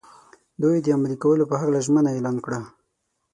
دوی د عملي کولو په هکله ژمنه اعلان کړه.